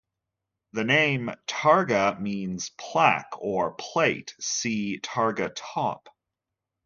The name "targa" means "plaque" or "plate", see targa top.